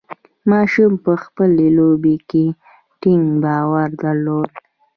ماشوم په خپلې لوبې کې ټینګ باور درلود.